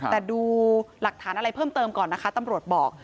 แต่ดูหลักฐานอะไรเพิ่มเติมก่อนนะคะตำรวจบอก